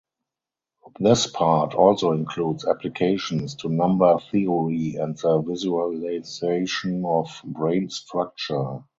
This part also includes applications to number theory and the visualization of brain structure.